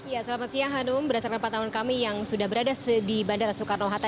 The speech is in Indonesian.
ya selamat siang hanum berdasarkan pantauan kami yang sudah berada di bandara soekarno hatta